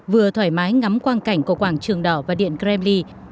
vừa thoải mái ngắm quan cảnh của quảng trường đỏ và điện kremlin